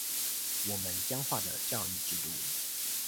我們僵化的教育制度